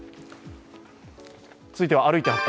続いては「歩いて発見！